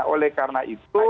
oleh karena itu